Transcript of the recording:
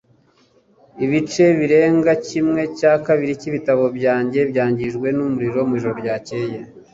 Ibice birenga kimwe cya kabiri cyibitabo byanjye byangijwe numuriro mwijoro ryakeye.